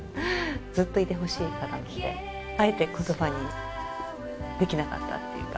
ずっといてほしい方なんであえて言葉にできなかったっていうか。